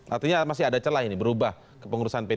artinya masih ada celah ini berubah kepengurusan p tiga